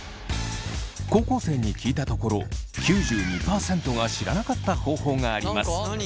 高校生に聞いたところ９２％が知らなかった方法があります。